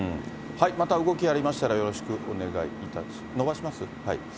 また動きありましたらよろしくお願いいたします。